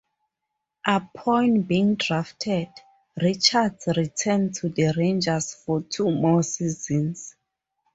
Upon being drafted, Richards returned to the Rangers for two more seasons.